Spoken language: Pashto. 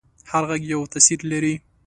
هر غږ یو تاثیر لري.